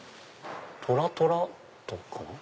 トラトラトかな？